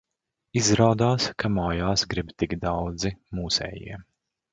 Izrādās, ka mājās grib tikt daudzi mūsējie.